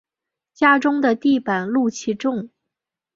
家中的地板露气重